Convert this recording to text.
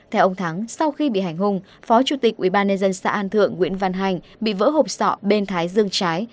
theo ông thắng sau khi bị hành hung phó chủ tịch ubnd xã an thượng nguyễn văn hành bị vỡ hộp sọ bên thái dương trái